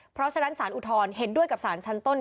เพราะฉะนั้นสารอุทธรณ์เห็นด้วยกับสารชั้นต้น